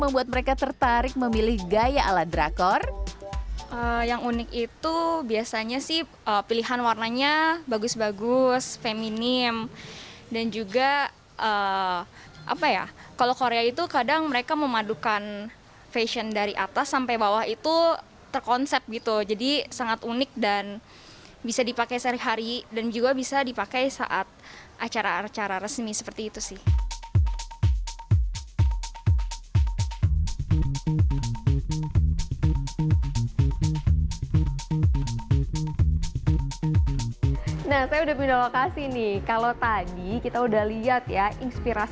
bagaimana situasi ini